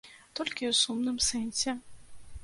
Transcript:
Толькі ў сумным сэнсе.